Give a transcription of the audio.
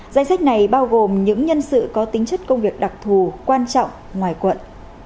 danh sách này bao gồm những nhân sự có tính chất công việc đặc thù quan trọng ngoài quận